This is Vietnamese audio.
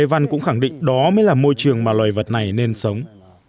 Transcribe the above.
hà lê văn cũng khẳng định đó mới là môi trường mà loài vật này nên sống